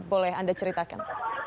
boleh anda ceritakan